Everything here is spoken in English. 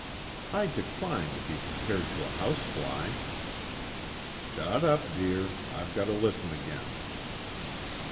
"I decline to be compared to a house fly." "Shut up, dear. I've got to listen again."